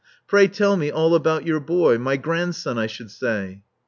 Pray tell me all about your boy — my grandson, I should say."